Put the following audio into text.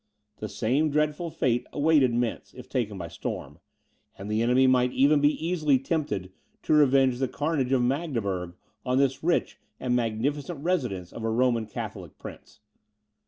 The same dreadful fate awaited Mentz, if taken by storm; and the enemy might even be easily tempted to revenge the carnage of Magdeburg on this rich and magnificent residence of a Roman Catholic prince.